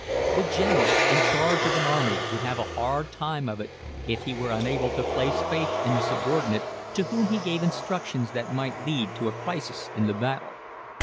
The general in charge of an army would have a hard time of it if he were unable to place faith in the subordinate to whom he gave instructions that might lead to a crisis in the battle.